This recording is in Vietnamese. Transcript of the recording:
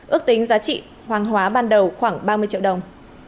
ước tính giá trị hoàng hóa ban đầu khoảng ba mươi triệu đồng